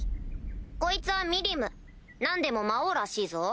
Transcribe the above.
こいつはミリム何でも魔王らしいぞ。